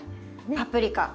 パプリカ。